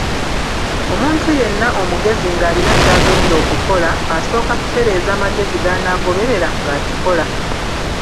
Omuntu yenna omugezi ng'alina ky'agenda okukola, asooka kutereeza magezi g'anaagoberera ng'akikola.